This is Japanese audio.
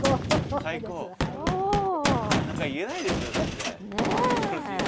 なかなか言えないですよ先生。